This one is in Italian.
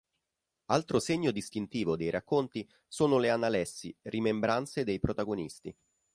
Altro segno distintivo dei racconti sono le analessi, rimembranze dei protagonisti.